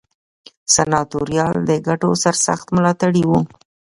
سناتوریال د ګټو سرسخت ملاتړي وو.